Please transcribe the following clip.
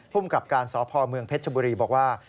พุ่มกับการสภอเมืองเพชรบุรีบอกว่า